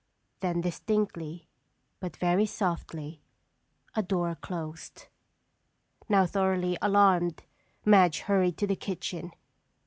Then distinctly, but very softly, a door closed. Now thoroughly alarmed, Madge hurried to the kitchen.